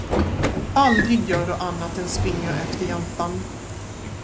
Aldrig gör du annat än springer efter jäntan.